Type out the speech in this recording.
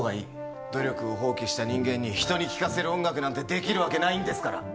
努力を放棄した人間にひとに聴かせる音楽なんてできるわけないんですから。